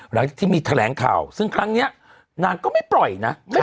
หลังจากที่มีแถลงข่าวซึ่งครั้งนี้นางก็ไม่ปล่อยนะ